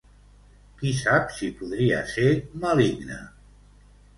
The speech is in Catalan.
Qui sap si podria ser maligne.